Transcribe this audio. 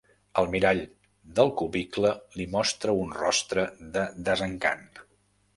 El mirall del cubicle li mostra un rostre de desencant.